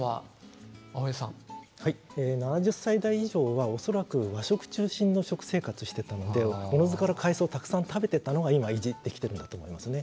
７０歳代以上は、恐らく和食中心の食生活をしているのでおのずから海藻をたくさん食べていたのが今、生きてきているんですね。